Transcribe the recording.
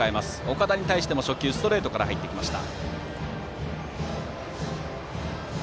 岡田に対しても初球はストレートから入りました。